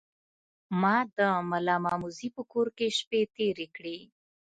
ما د ملامموزي په کور کې شپې تیرې کړې.